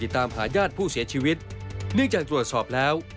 ตามหาญาติผู้เสียชีวิตเนื่องจากตรวจสอบแล้ว